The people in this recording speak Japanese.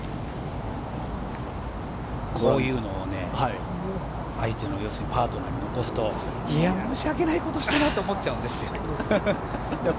こういうのを相手のパートナーに残すといや、申し訳ないことしたなと思っちゃうんですよ。